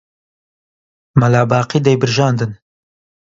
مەلا باقی دەیبرژاندن